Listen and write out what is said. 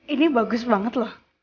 ini bagus banget loh